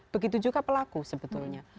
begitu juga pelaku sebetulnya